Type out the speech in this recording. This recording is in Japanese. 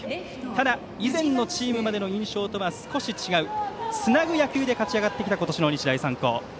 ただ、以前のチームまでの印象とは少し違う、つなぐ野球で勝ち上がってきた今年の日大三高。